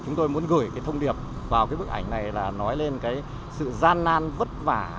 chúng tôi muốn gửi cái thông điệp vào cái bức ảnh này là nói lên cái sự gian nan vất vả